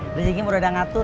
kerja gini udah udah ngatur